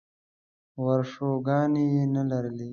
ورشوګانې یې نه لرلې.